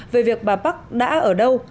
về việc bà park đã ở đâu